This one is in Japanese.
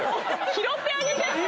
拾ってあげて！